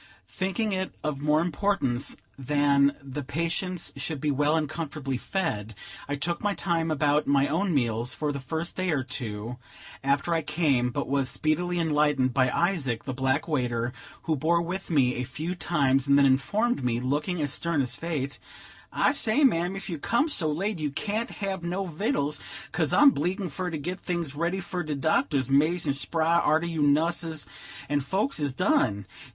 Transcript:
Thinking it of more importance that the patients should be well and comfortably fed, I took my time about my own meals for the first day or two after I came, but was speedily enlightened by Isaac, the black waiter, who bore with me a few times, and then informed me, looking as stern as fate: "I say, mam, ef you comes so late you can't have no vittles, 'cause I'm 'bleeged fer ter git things ready fer de doctors 'mazin' spry arter you nusses and folks is done.